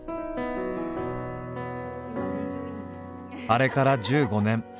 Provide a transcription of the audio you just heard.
あれから１５年。